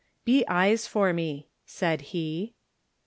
"Be eyes for me," said he.